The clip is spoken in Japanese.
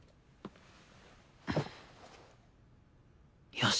よし！